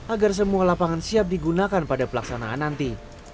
agar semua lapangan siap digunakan pada pelaksanaan nanti